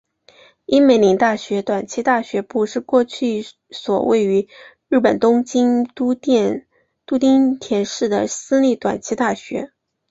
樱美林大学短期大学部是过去一所位于日本东京都町田市的私立短期大学。